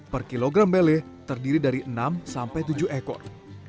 per kilogram lele terdiri dari enam sampai tujuh ekor